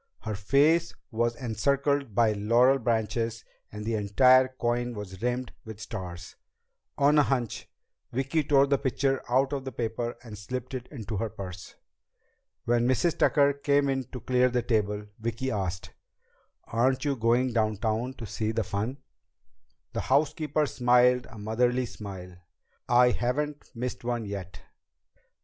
Her face was encircled by laurel branches and the entire coin was rimmed with stars. On a hunch, Vicki tore the picture out of the paper and slipped it into her purse. When Mrs. Tucker came in to clear the table, Vicki asked, "Aren't you going downtown to see the fun?" The housekeeper smiled a motherly smile. "I haven't missed one yet."